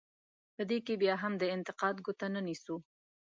په دې کې بیا هم د انتقاد ګوته نه نیسو.